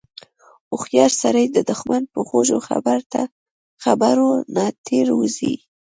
هوښیار سړی د دښمن په خوږو خبرو نه تیر وځي.